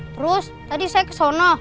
terus tadi saya kesono